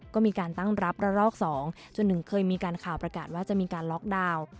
ก็มีการตั้งรับระลอก๒จนถึงเคยมีการข่าวประกาศว่าจะมีการล็อกดาวน์